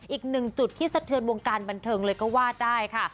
อีกหนึ่งจุดที่สะเทือนวงการบันเทิงเลยก็ว่าได้ค่ะ